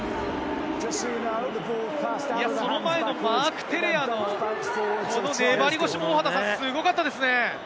その前のマーク・テレアのこの粘りごしもすごかったですね。